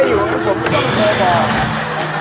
แล้วผมต้องแทนตอน